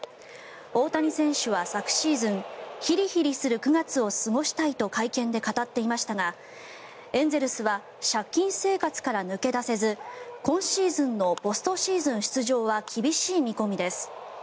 大谷選手は、昨シーズンヒリヒリする９月を過ごしたいと会見で語っていましたがエンゼルスは借金生活から抜け出せず今シーズンのポストシーズン出場は厳しい見込みです。